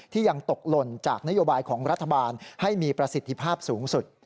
ยังตกหล่นจากนโยบายของรัฐบาลให้มีประสิทธิภาพสูงสุด